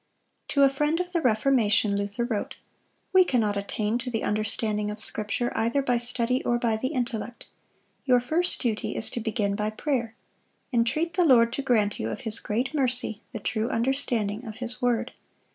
To a friend of the Reformation Luther wrote: "We cannot attain to the understanding of Scripture either by study or by the intellect. Your first duty is to begin by prayer. Entreat the Lord to grant you, of His great mercy, the true understanding of His word.